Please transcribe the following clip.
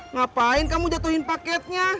ngapain kamu jatuhin paketnya